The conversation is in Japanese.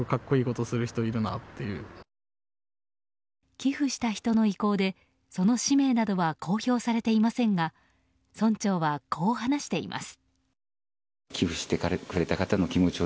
寄付した人の意向でその氏名などは公表されていませんが村長は、こう話しています。